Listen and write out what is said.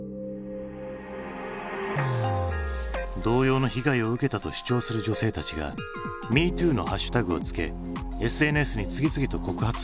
同様の被害を受けたと主張する女性たちが「＃Ｍｅｔｏｏ」のハッシュタグを付けＳＮＳに次々と告発を投稿。